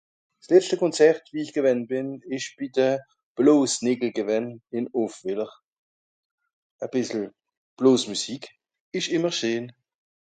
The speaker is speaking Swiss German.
s letschte Konzert, wie ich gewänn bìn, ìsch bi de Bloosnìckel gewänn, ìn Offwìller. E bìssel Bloosmüsik ìsch ìmmer scheen